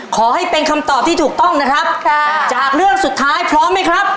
ขอให้เป็นคำตอบที่ถูกต้องนะครับค่ะจากเรื่องสุดท้ายพร้อมไหมครับ